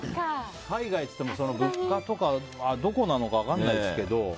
海外っていっても物価とかどこなのか分かんないですけど。